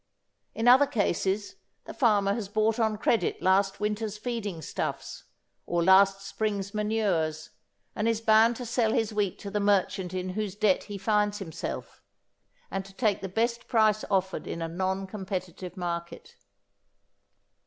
In other cases the farmer has bought on credit last winter's feeding stuffs, or last spring's manures, and is bound to sell his wheat to the merchant in whose debt he finds himself, and to take the best price offered in a non competitive market.